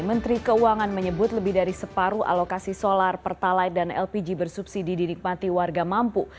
menteri keuangan menyebut lebih dari separuh alokasi solar pertalite dan lpg bersubsidi dinikmati warga mampu